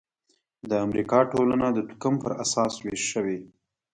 د امریکا ټولنه د توکم پر اساس وېش شوې.